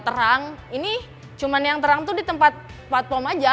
terang ini cuma yang terang tuh di tempat platform aja